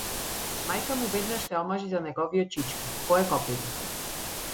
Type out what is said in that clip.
Мајка му веднаш се омажи за неговиот чичко, кој е копиле.